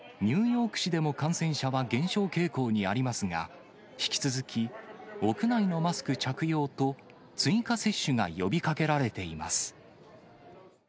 ニューヨーク市でも、感染者は減少傾向にありますが、引き続き屋内のマスク着用と、追加接種が呼びかけられています。